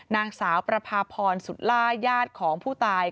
นางสาวประพาพรสุดล่าญาติของผู้ตาย